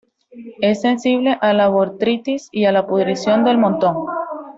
Es sensible a la botrytis y a la pudrición del montón.